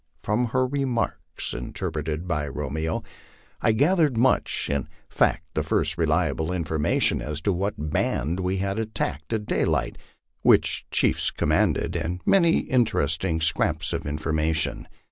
From her remarks, interpreted by Romeo, I gathered much in fact, the first reliable information as to what band we had attacked at davlight, which chiefs commanded, and many interesting scraps of informa tion.